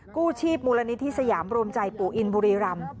กู้ชีพมูลนิธิสยามรวมใจปู่อินบุรีรำ